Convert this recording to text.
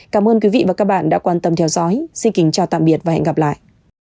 cảm ơn quý vị và các bạn đã quan tâm theo dõi xin kính chào tạm biệt và hẹn gặp lại